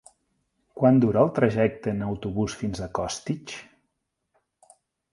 Quant dura el trajecte en autobús fins a Costitx?